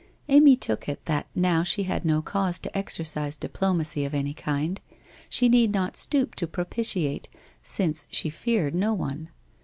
Amy took it that now she had no cause to exercise diplomacy of any kind, she need not stoop to propitiate, since she feared no one.